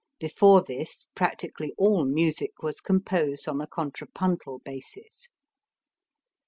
Before this practically all music was composed on a contrapuntal basis.